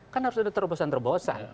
kan harus ada terbosan terbosan